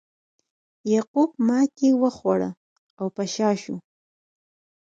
یعقوب ماتې وخوړه او په شا شو.